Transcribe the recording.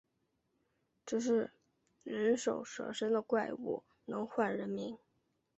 这是人首蛇身的怪物，能唤人名